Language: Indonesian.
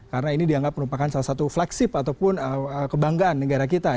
karena ini dianggap merupakan salah satu flagship ataupun kebanggaan negara kita